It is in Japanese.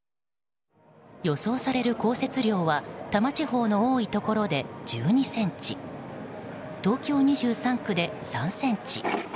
予想される降雪量は多摩地方の多いところで１２ｃｍ東京２３区で３ｃｍ。